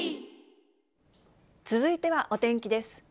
続いてはお天気です。